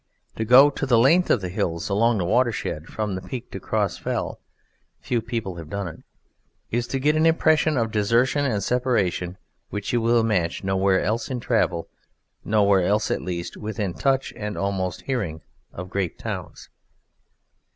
To go the length of the hills along the watershed from the Peak to Crossfell (few people have done it!) is to get an impression of desertion and separation which you will match nowhere else in travel, nowhere else, at least, within touch and almost hearing of great towns.